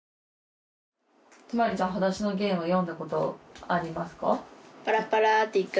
向葵ちゃん『はだしのゲン』を読んだことありますか？